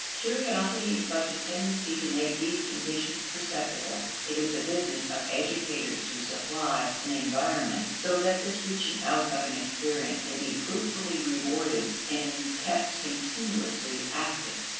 Curiosity is but the tendency to make these conditions perceptible. It is the business of educators to supply an environment so that this reaching out of an experience may be fruitfully rewarded and kept continuously active.